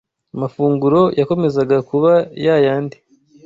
amafunguro yakomezaga kuba ya yandi